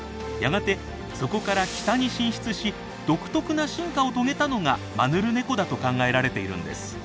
やがてそこから北に進出し独特な進化を遂げたのがマヌルネコだと考えられているんです。